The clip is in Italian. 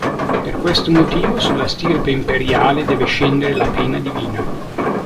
Per questo motivo sulla stirpe imperiale deve scendere la pena divina.